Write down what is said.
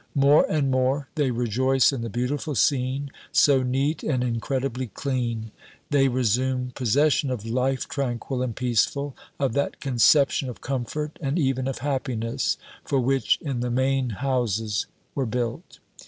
More and more they rejoice in the beautiful scene, so neat and incredibly clean. They resume possession of life tranquil and peaceful, of that conception of comfort and even of happiness for which in the main houses were built.